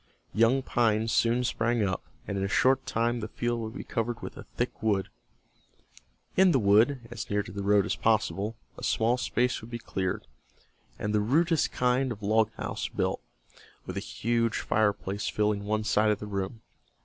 Young pines soon sprang up, and in a short time the field would be covered with a thick wood. In the wood, as near to the road as possible, a small space would be cleared, and the rudest kind of log house built, with a huge fireplace filling one side of the room.